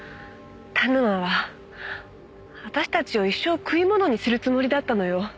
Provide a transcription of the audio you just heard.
田沼は私たちを一生食い物にするつもりだったのよ。